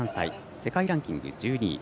世界ランキング１２位。